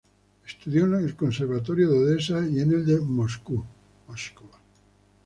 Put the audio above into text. Estudió en el Conservatorio de Odesa y en el de Moscú.